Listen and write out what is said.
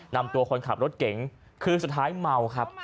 นำตัวคนขับรถเก๋งคือสุดท้ายเมาครับ